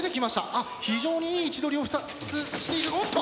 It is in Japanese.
あっ非常にいい位置取りを２つしているおっと！